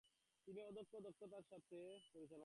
তিনি অত্যন্ত দক্ষতার সাথে রাজ্য পরিচালনা করতেন।